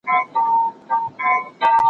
کېدای سي خبري اوږدې سي!.